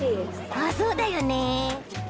あっそうだよね。